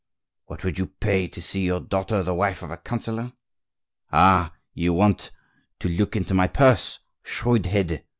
"What would you pay to see your daughter the wife of a counsellor?" "Ah! you want to look into my purse, shrewd head!"